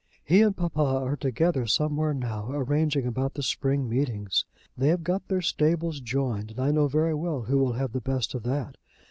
He and papa are together somewhere now, arranging about the spring meetings. They have got their stables joined, and I know very well who will have the best of that.